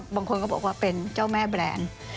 บางคนก็บอกว่าเป็นเจ้าแม่แบรนด์